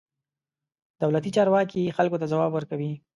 دولتي چارواکي خلکو ته ځواب ورکوي.